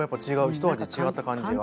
ひと味違った感じが。